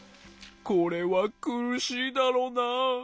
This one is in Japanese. これはくるしいだろうなあ。